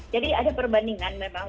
jadi ada perbandingan memang